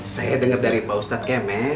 saya denger dari pak ustadz keme